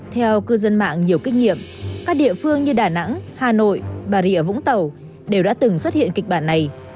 theo cư dân mạng nhiều kinh nghiệm các địa phương như đà nẵng hà nội bà rịa vũng tàu đều đã từng xuất hiện kịch bản này